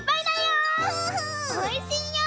おいしいよ。